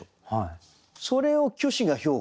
それを虚子が評価して。